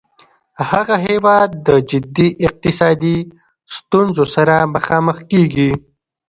هغه هیواد د جدي اقتصادي ستونځو سره مخامخ کیږي